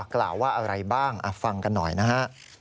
กล่าวว่าอะไรบ้างฟังกันหน่อยนะฮะ